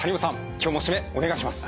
今日もシメお願いします。